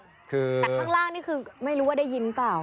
แต่ข้างล่างนี่คือไม่รู้ว่าได้ยินเปล่า